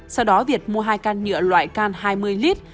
sau đó việt mua hai can nhựa loại can hai mươi lít